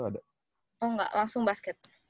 oh enggak langsung basket